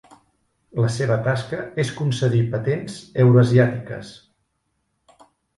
La seva tasca és concedir patents eurasiàtiques.